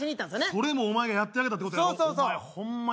それもお前がやってあげたってことやろお前ホンマ